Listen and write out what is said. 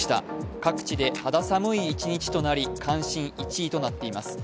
各地で肌寒い一日となり、関心１位となっています。